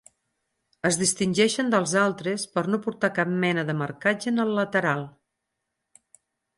Es distingeixen dels altres per no portar cap mena de marcatge en el lateral.